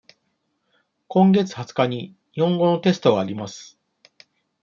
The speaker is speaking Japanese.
今月二十日に日本語のテストがあります。